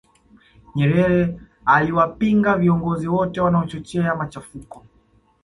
nyerere aliwapinga viongozi wote wanaochochea machafuko